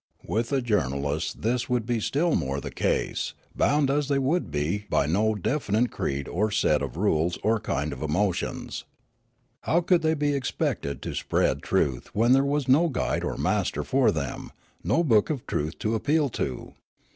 With the journalists this would be still more the case, bound as the} would be by no definite creed or set of rules or kind of emotions. How could they be expected to spread truth when there was no guide or master for them, no book of truth to appeal to